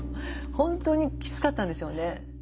本当にきつかったんでしょうね。